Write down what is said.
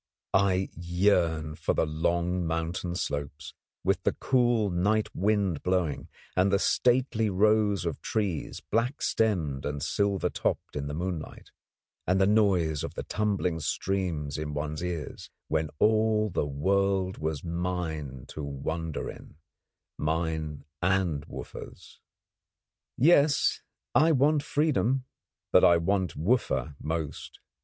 I yearn for the long mountain slopes, with the cool night wind blowing; and the stately rows of trees, black stemmed and silver topped in the moonlight; and the noise of the tumbling streams in one's ears, when all the world was mine to wander in mine and Wooffa's. Yes, I want freedom; but I want Wooffa most.